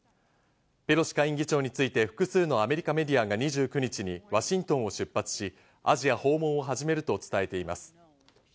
ペロシ下院議長について複数のアメリカメディアが２９日にワシントンを出発し、アジア訪問を始めると伝えています。